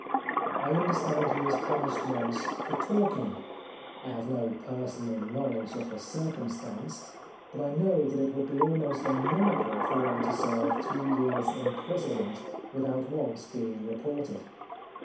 I understand he was punished once for talking. I have no personal knowledge of the circumstance, but I know that it would be almost a miracle for one to serve two years' imprisonment without once being reported.